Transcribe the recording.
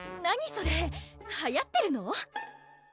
それはやってるの？